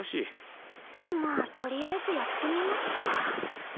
まあとりあえずやってみますか。